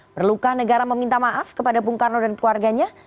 perlukah negara meminta maaf kepada bung karno dan keluarganya